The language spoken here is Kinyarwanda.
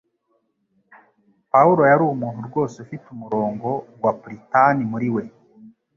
Pawulo yari umuntu rwose ufite umurongo wa puritani muri we